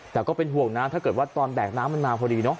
แต่ก็เป็นห่วงนะถ้าเกิดว่าตอนแบกน้ำมันมาพอดีเนาะ